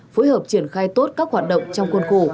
phối hợp triển khai tốt các hoạt động trong khuôn khổ